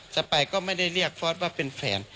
ไปก็ไม่ได้เรียกฟอสว่าเป็นแฟน